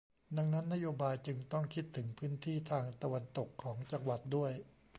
ดังนั้นนโยบายจึงต้องคิดถึงพื้นที่ทางตะวันตกของจังหวัดด้วย